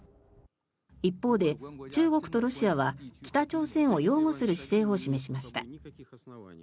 一方で、中国とロシアは北朝鮮を擁護する姿勢を示しました。